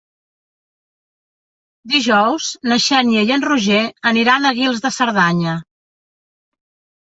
Dijous na Xènia i en Roger aniran a Guils de Cerdanya.